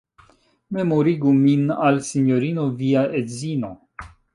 Memorigu min al Sinjorino via edzino!